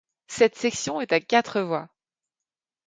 Cette section est à quatre voies.